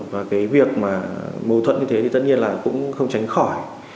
và cái việc mà mâu thuẫn như thế thì tất nhiên là cũng không tránh khỏi